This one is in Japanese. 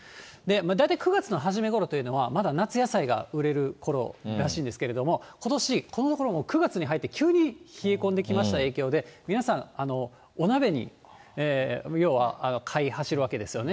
大体９月の初めごろというのは、まだ夏野菜が売れるころらしいんですけど、ことし、このころ、９月に入って冷え込んできました影響で、皆さん、お鍋に要は買い走るわけですよね。